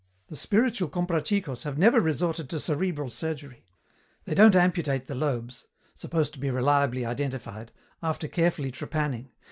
The spiritual Comprachicos have never resorted to cerebral surgery. They don't amputate the lobes supposed to be reliably identified after carefully trepanning.